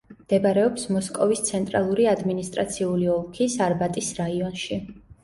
მდებარეობს მოსკოვის ცენტრალური ადმინისტრაციული ოლქის არბატის რაიონში.